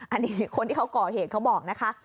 อันนี้คนที่เขาก่อเหตุเขาบอกนะคะ